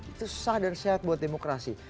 itu sah dan sehat buat demokrasi